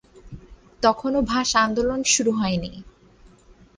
তখনো ভাষা আন্দোলন শুরু হয়নি।